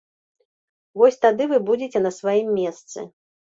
Вось тады вы будзеце на сваім месцы.